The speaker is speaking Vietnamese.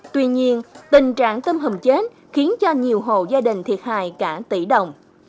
tuy nhiên tình trạng tôm hầm chết khiến cho nhiều hộ gia đình thiệt hài cả tỷ đồng